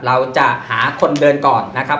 เราจะหาคนเดินก่อนนะครับ